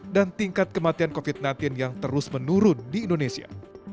dan tingkat kematian covid sembilan belas yang terus menurun di indonesia